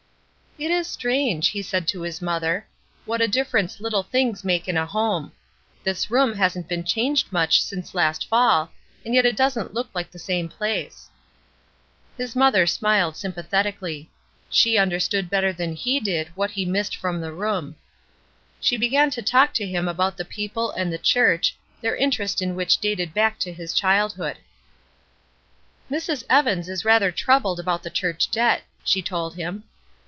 "It is strange," he said to his mother, "what a difference little things make in a home. This room hasn^t been changed much since last fall, and yet it doesn't look hke the same place." His mother smiled sympathetically ; she un derstood better than he did what he missed 414 ESTER RIED'S NAMESAKE from the room. She began to talk to him about the people and the chm ch, their interest in which dated back to his childhood. "Mrs. Evans is rather troubled about the church debt," she told him.